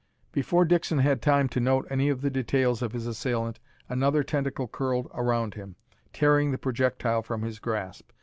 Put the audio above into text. Before Dixon had time to note any of the details of his assailant another tentacle curled around him, tearing the projectile from his grasp.